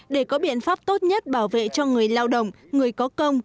để có biện pháp tốt nhất bảo vệ cho người lao động người có công